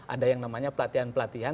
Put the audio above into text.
ada yang namanya pelatihan pelatihan